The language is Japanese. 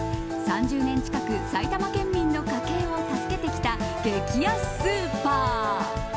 ３０年近く埼玉県民の家計を助けてきた激安スーパー。